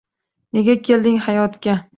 Nega kelding hayotga